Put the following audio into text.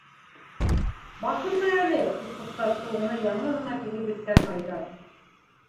- Баҡырма әле! - тип туҡтатты уны яңы ғына килеп еткән Айҙар.